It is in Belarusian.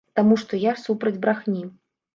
Таму што я супраць брахні.